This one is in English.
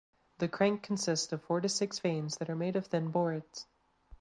The crank consists of four to six vanes that are made of thin boards.